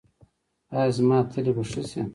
ایا زما تلي به ښه شي؟